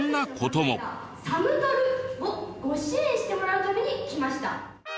サムトルをご支援してもらうために来ました。